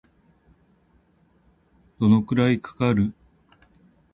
どのくらいかかる